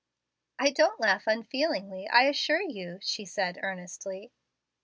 "I don't laugh unfeelingly, I assure you," she said earnestly.